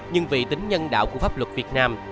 nhưng vì tính nhân đạo của pháp luật việt nam